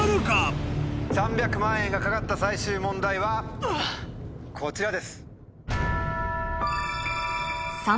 ３００万円が懸かった最終問題はこちらです。